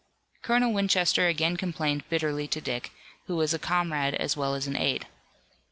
Colonel Winchester again complained bitterly to Dick, who was a comrade as well as an aide.